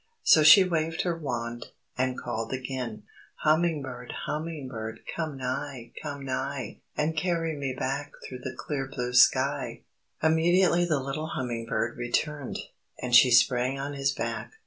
So she waved her wand, and called again: "Hummingbird! Hummingbird! Come nigh! Come nigh! And carry me back Through the clear Blue Sky!" Immediately the little hummingbird returned, and she sprang on his back.